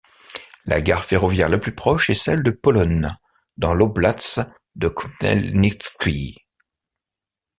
La gare ferroviaire la plus proche est celle de Polonne, dans l'oblast de Khmelnytskyï.